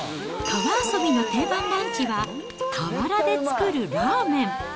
川遊びの定番ランチは河原で作るラーメン。